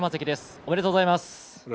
ありがとうございます。